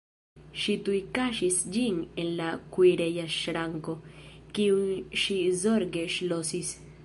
Ŝi tuj kaŝis ĝin en la kuireja ŝranko, kiun ŝi zorge ŝlosis.